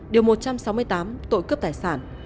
điều một trăm sáu mươi tám tội cướp tài sản